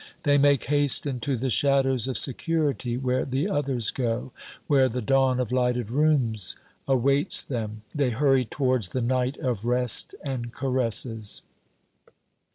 They make haste into the shadows of security where the others go, where the dawn of lighted rooms awaits them; they hurry towards the night of rest and caresses.